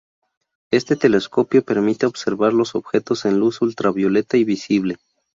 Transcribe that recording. Este telescopio permite observar los objetos en luz ultravioleta y visible.